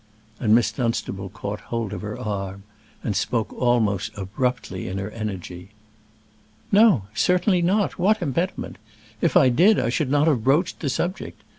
and Miss Dunstable caught hold of her arm, and spoke almost abruptly in her energy. "No, certainly not. What impediment? If I did, I should not have broached the subject.